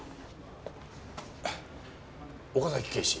岡崎警視